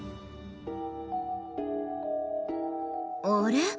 あれ？